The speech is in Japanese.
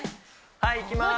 はいいきまーす